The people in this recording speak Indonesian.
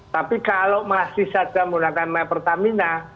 tapi kalau masih saja menggunakan my pertamina